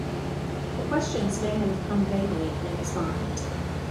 The questions may have come vaguely in his mind.